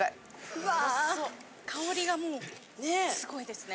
・うわ香りがもう凄いですね。